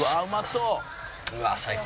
うわっ最高。